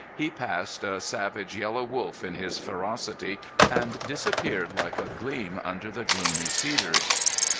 He passed, a savage yellow wolf in his ferocity, and disappeared like a gleam under the gloomy cedars.